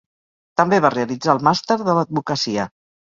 També va realitzar el màster de l'advocacia.